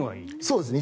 そうですね。